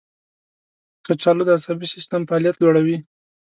کچالو د عصبي سیستم فعالیت لوړوي.